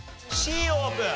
Ｃオープン！